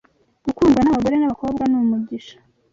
gukundwa n’abagore n’abakobwa numugisha